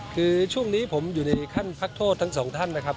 คือช่วงนี้ผมอยู่ในขั้นพักโทษทั้งสองท่านนะครับ